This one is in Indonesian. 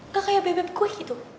gak kayak bebep gue gitu